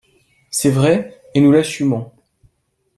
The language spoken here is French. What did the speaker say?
C’est vrai, et nous l’assumons